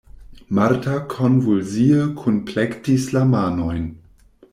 Marta konvulsie kunplektis la manojn.